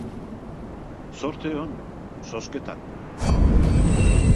Zorte on, zozketan!